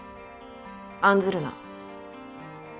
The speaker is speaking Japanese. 案ずるな。